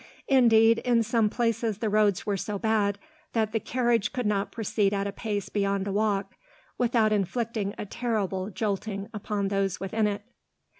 Indeed, in some places the roads were so bad that the carriage could not proceed at a pace beyond a walk, without inflicting a terrible jolting upon those within it.